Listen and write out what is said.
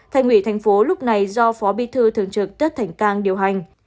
thành ủy thành phố lúc này do phó bí thư thường trực tất thành cang điều hành